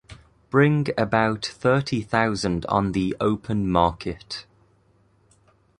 Bring about thirty thousand on the open market.